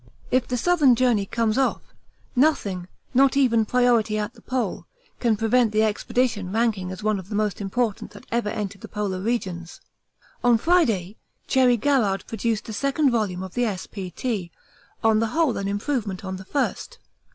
If the Southern journey comes off, nothing, not even priority at the Pole, can prevent the Expedition ranking as one of the most important that ever entered the polar regions. On Friday Cherry Garrard produced the second volume of the S.P.T. on the whole an improvement on the first.